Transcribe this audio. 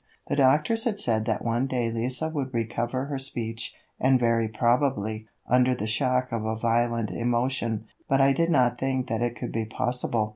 The doctors had said that one day Lise would recover her speech, and very probably, under the shock of a violent emotion, but I did not think that it could be possible.